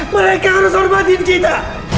mereka harus hormatin kita